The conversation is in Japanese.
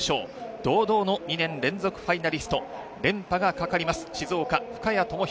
堂々の２年連続ファイナリストと、連覇がかかります静岡・深谷知博。